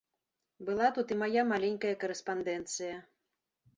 Была тут і мая маленькая карэспандэнцыя.